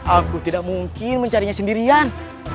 aku tidak mungkin mencarinya sendirian